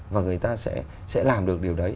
và người ta sẽ làm được điều đấy